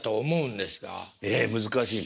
ええ難しい。